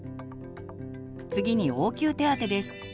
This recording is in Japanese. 次に応急手当てです。